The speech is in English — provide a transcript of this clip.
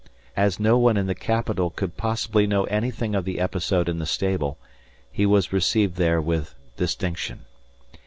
As no one in the capital could possibly know anything of the episode in the stable, he was received there with distinction.